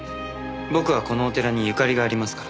僕はこのお寺にゆかりがありますから。